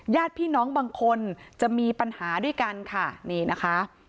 ญาติพี่น้องบางคนจะมีปัญหาด้วยกันค่ะนี่นะคะ